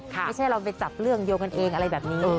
ไม่ใช่เราไปจับเรื่องเดียวกันเองอะไรแบบนี้